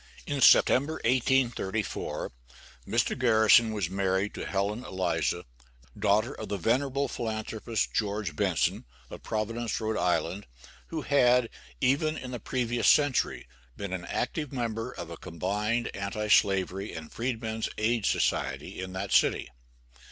In September, 1834, Mr. Garrison was married to Helen Eliza, daughter of the venerable philanthropist, George Benson, of Providence, R.I., who had, even in the previous century, been an active member of a combined anti slavery and freedmen's aid society in that city.